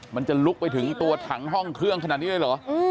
มันจะลุกไปถึงตัวถังห้องเครื่องขนาดนี้เลยเหรอ